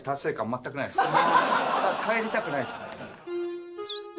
帰りたくないですね。